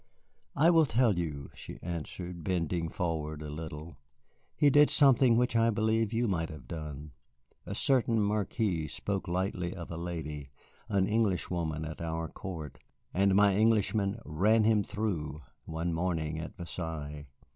"I will tell you," she answered, bending forward a little. "He did something which I believe you might have done. A certain Marquis spoke lightly of a lady, an Englishwoman at our court, and my Englishman ran him through one morning at Versailles."